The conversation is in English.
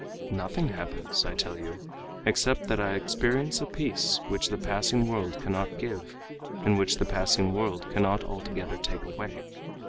"Nothing happens, I tell you, except, that I experience a peace which the passing world cannot give and which the passing world cannot altogether take away.